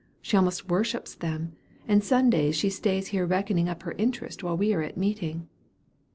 She almost worships them, and Sundays she stays here reckoning up her interest while we are at meeting."